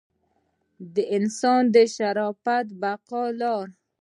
د انسان د شرافت د بقا لاره.